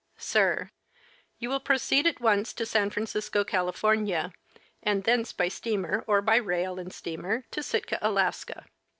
. Sir : You will proceed at once to San Francisco, California, and thence by steamer or by rail and steamer to Sitka, Alaska.